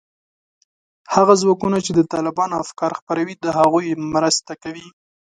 هغه ځواکونو چې د طالبانو افکار خپروي، د هغوی مرسته کوي